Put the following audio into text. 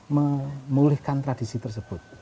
memulihkan tradisi tersebut